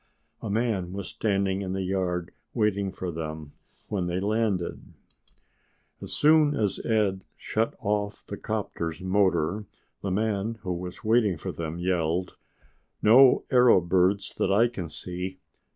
A man was standing in the yard waiting for them when they landed. As soon as Ed shut off the 'copter's motor, the man who was waiting for them yelled, "No arrow birds that I can see.